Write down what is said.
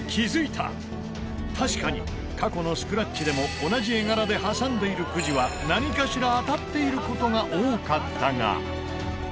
確かに過去のスクラッチでも同じ絵柄で挟んでいるくじは何かしら当たっている事が多かったが。